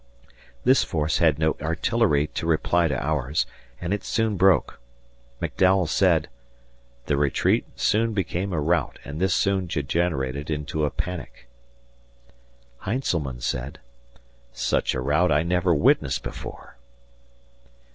This force had no artillery to reply to ours, and it soon broke. McDowell said "The retreat soon became a rout and this soon degenerated into a panic." Heintzelman said, "Such a rout I never witnessed before."